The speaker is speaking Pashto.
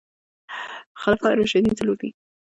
خلفاء راشدين څلور دي